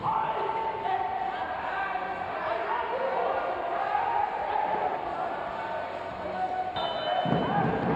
สวัสดีทุกคน